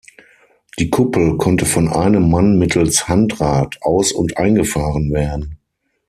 Die Kuppel konnte von einem Mann mittels Handrad aus- und eingefahren werden.